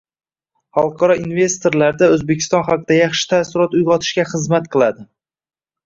Xalqaro investorlarda O‘zbekiston haqida yaxshi taassurot uyg‘otishiga xizmat qiladi.